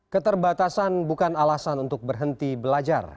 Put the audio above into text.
keterbatasan bukan alasan untuk berhenti belajar